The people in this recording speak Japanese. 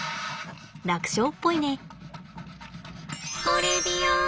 楽勝っぽいね。